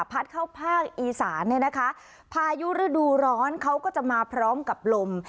พัดเข้าภาคอีสานเนี่ยนะคะพายุฤดูร้อนเขาก็จะมาพร้อมกับลม